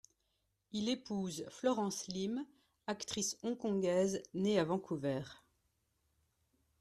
Il épouse Florence Lim, actrice hongkongaise née à Vancouver.